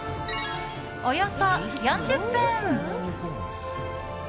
およそ４０分。